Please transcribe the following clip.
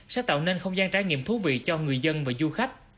sẽ tạo nên không gian trái nghiệm thú vị cho người dân và du khách